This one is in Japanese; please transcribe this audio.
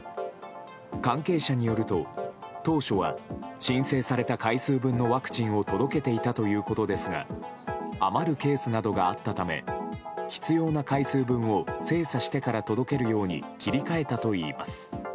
関係者によると当初は申請された回数分のワクチンを届けていたということですが余るケースなどがあったため必要な回数分を精査してから届けるように切り替えたといいます。